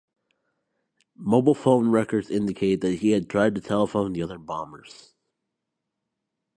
Mobile phone records indicate that he had tried to telephone the other bombers.